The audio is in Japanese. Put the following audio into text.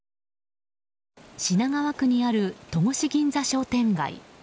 品川区にある戸越銀座商店街。